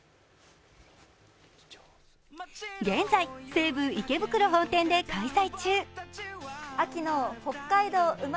現在、西武池袋本店で開催中。